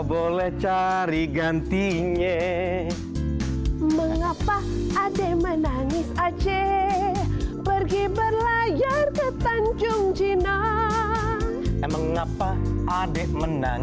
bulan sawah mau dikawinin